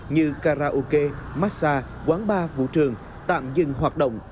như karaoke massage quán bar vũ trường tạm dừng hoạt động